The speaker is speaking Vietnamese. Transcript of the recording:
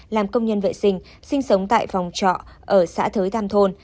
làm công nhân vệ sinh sinh sống tại phòng trọ ở xã thới than thôn